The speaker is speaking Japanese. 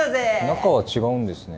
中は違うんですね。